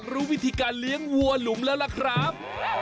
รู้วิธีการเลี้ยงวัวหลุมแล้วล่ะครับ